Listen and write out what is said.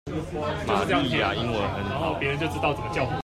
瑪麗亞英文很好